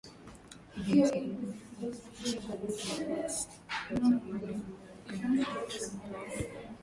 Uidhinishaji huo mpya unabatilisha uamuzi wa Rais wa zamani wa Marekani Donald Trump wa